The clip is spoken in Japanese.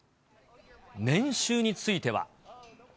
年収については。